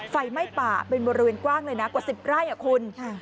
ไฟไหม้ป่าเป็นบริเวณกว้างเลยนะกว่า๑๐ไร่คุณ